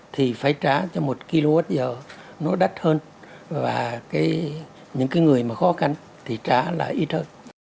thì phải trả cho một kwh nó đắt hơn và những cái người mà khó khăn thì trả là ít hơn